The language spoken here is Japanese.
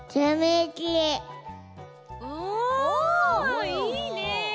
おいいね。